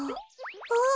あっ！